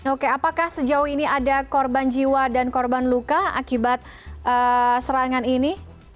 oke apakah sejauh ini ada korban jiwa dan korban luka akibat serangan ini